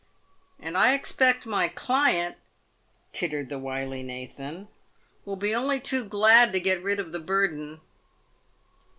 " And I expect my client," tittered the wily Nathan, " will be only too glad to get rid of the burden."